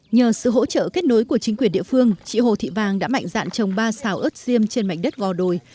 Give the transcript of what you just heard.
nhờ sự hỗ trợ kết nối của chính quyền địa phương chị hồ thị vàng đã mạnh dạn trồng ba xào ớt xiêm trên mảnh đất gò đồi